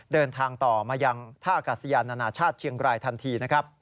เดินทางต่อมายังท่าอากาศยานานาชาติเชียงรายทันทีนะครับ